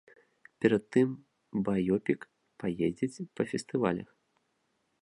Перад тым баёпік паездзіць па фестывалях.